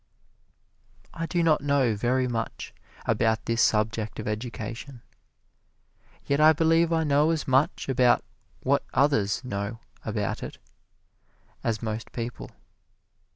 I do not know very much about this subject of education, yet I believe I know as much about what others know about it as most people.